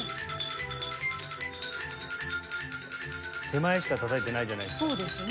手前しかたたいてないじゃないですか。